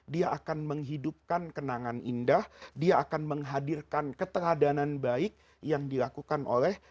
dia akan menghidupkan kenangan indah dia akan menghadirkan keteladanan baik yang dilakukan oleh